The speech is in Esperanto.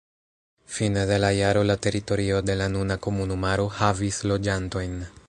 Fine de la jaro la teritorio de la nuna komunumaro havis loĝantojn.